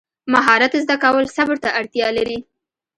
مهارت زده کول صبر ته اړتیا لري.